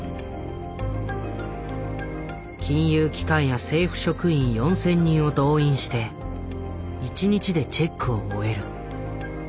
金融機関や政府職員４，０００人を動員して１日でチェックを終える。